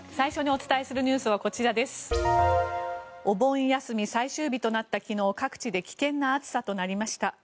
お盆休み最終日となった昨日各地で危険な暑さとなりました。